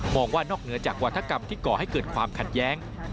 ว่านอกเหนือจากวัฒกรรมที่ก่อให้เกิดความขัดแย้ง